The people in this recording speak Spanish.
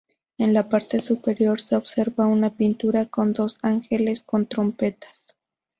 En la parte superior se observa una pintura con dos ángeles con trompetas.